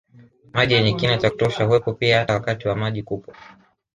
Maji yenye kina cha kutosha huwepo pia hata wakati wa maji kupwa